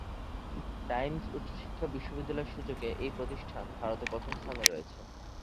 Times উচ্চশিক্ষা বিশ্ববিদ্যালয়ের সূচকে এই প্রতিষ্ঠান ভারতে প্রথম স্থানে রয়েছে।